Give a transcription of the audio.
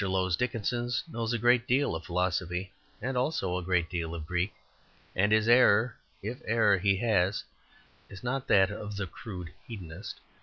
Lowes Dickinson knows a great deal of philosophy, and also a great deal of Greek, and his error, if error he has, is not that of the crude hedonist.